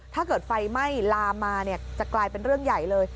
ถ้าเกิดไฟไหม้ลามมาจะกลายเป็นเรื่องใหญ่เลย